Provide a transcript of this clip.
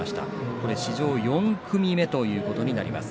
これは史上４組目ということになります。